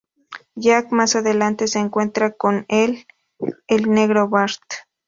Jack más adelante se encuentra con el "El Negro Bart".